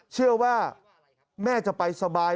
เชื่อว่าแม่จะไปสบาย